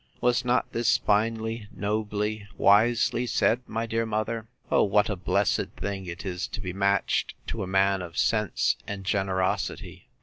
Was not this finely, nobly, wisely said, my dear mother?—O what a blessed thing it is to be matched to a man of sense and generosity!